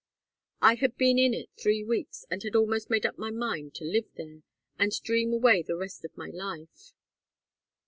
I had been in it three weeks and had almost made up my mind to live there, and dream away the rest of my life.